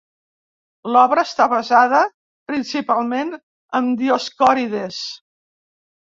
L’obra està basada principalment en Dioscòrides.